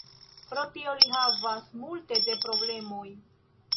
Pro tio li havas multe de problemoj.